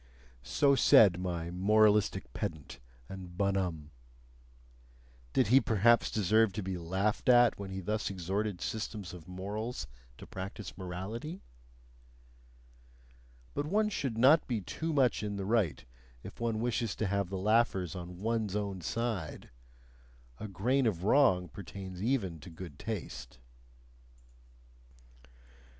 So said my moralistic pedant and bonhomme. Did he perhaps deserve to be laughed at when he thus exhorted systems of morals to practise morality? But one should not be too much in the right if one wishes to have the laughers on ONE'S OWN side; a grain of wrong pertains even to good taste.